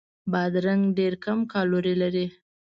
بادرنګ ډېر کم کالوري لري.